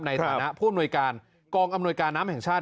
ในฐานะผู้อำนวยการกองอำนวยการน้ำแห่งชาติ